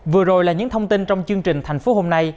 vừa rồi là những thông tin trong chương trình thành phố hôm nay